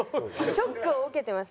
ショックを受けてます。